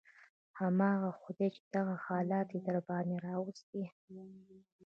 همغه خداى چې دغه حالت يې درباندې راوستى.